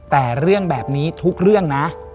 แต่เรื่องแบบนี้ทุกเรื่องนะ